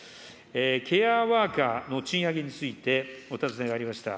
ケアワーカーの賃上げについてお尋ねがありました。